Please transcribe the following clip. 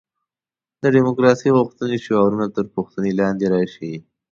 د دیموکراسي غوښتنې شعارونه تر پوښتنې لاندې راشي.